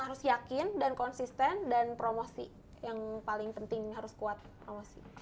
harus yakin dan konsisten dan promosi yang paling penting harus kuat promosi